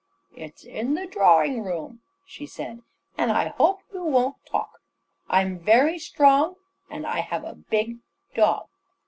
"It's in the drawing room," she said, "and I hope you won't talk. I'm very strong and I have a big dog."